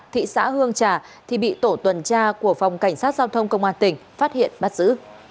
thị xã hương trà thì bị tổ tuần tra của phòng cảnh sát giao thông công an tỉnh phát hiện bắt giữ